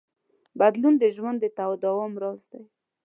بدلون د ژوند د تداوم راز دی.